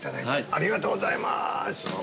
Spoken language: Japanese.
ありがとうございます。